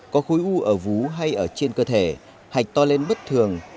có khối u ở vú hay ở trên cơ thể hạch to lên bất thường